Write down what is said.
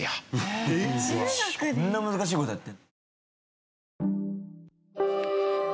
こんな難しい事やって。